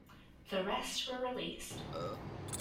The rest were released.